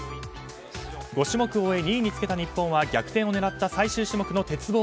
５種目を終え２位につけた日本は逆転を狙った最終種目の鉄棒。